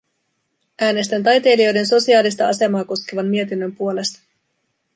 Äänestän taiteilijoiden sosiaalista asemaa koskevan mietinnön puolesta.